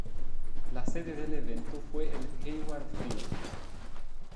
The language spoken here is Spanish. La sede del evento fue el Hayward Field.